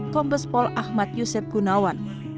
kombes pol ahmad yusef gunawan